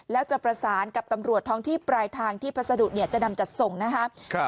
แล้วจะประสานกับตำรวจท้องที่ปลายทางที่พัสดุเนี่ยจะนำจัดส่งนะครับ